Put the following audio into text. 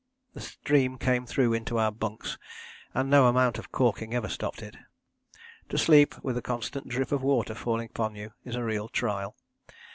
The stream came through into our bunks, and no amount of caulking ever stopped it. To sleep with a constant drip of water falling upon you is a real trial.